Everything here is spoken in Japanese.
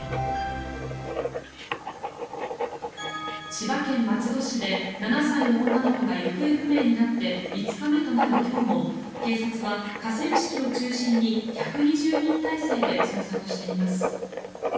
千葉県松戸市で７歳の女の子が行方不明になって５日目となる今日も警察は河川敷を中心に１２０人態勢で捜索しています。